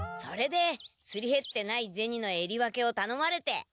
それですりへってない銭のえり分けをたのまれて。